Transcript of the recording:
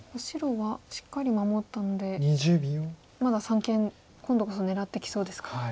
白はしっかり守ったのでまだ三間今度こそ狙ってきそうですか。